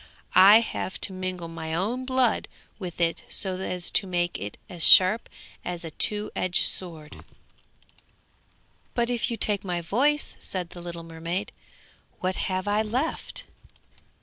I have to mingle my own blood with it so as to make it as sharp as a two edged sword.' 'But if you take my voice,' said the little mermaid, 'what have I left?'